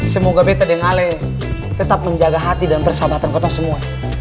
semoga bete deng ale tetap menjaga hati dan persahabatan kota semua